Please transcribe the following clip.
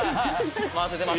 回せてます。